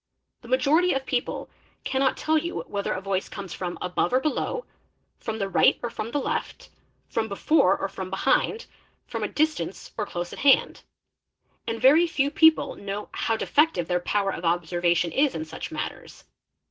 The majority of people cannot tell you whether a voice comes from above or below, from the right or from the left, from before or from behind, from a distance or close at hand; and very few people know how defective their power of observation is in such matters.